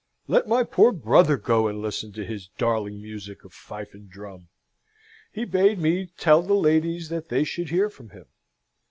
Let my poor brother go and listen to his darling music of fife and drum! He bade me tell the ladies that they should hear from him.